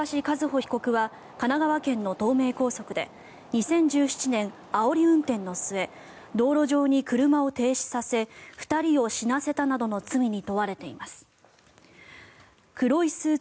和歩被告は神奈川県の東名高速で２０１７年、あおり運転の末道路上に車を停止させ２人を死なせたなどの罪に問われています。